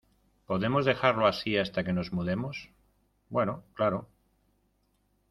¿ Podemos dejarlo así hasta que nos mudemos? Bueno, claro.